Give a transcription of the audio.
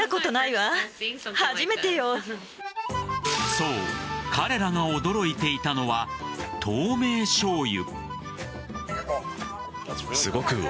そう、彼らが驚いていたのは透明醤油。